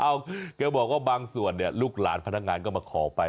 แกบอกว่าบางส่วนเนี่ยลูกหลานพนักงานก็มาขอไป